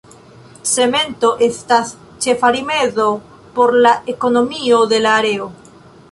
Cemento estas ĉefa rimedo por la ekonomio de la areo.